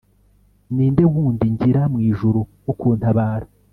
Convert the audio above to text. ni nde wundi ngira mu ijuru wo kuntabara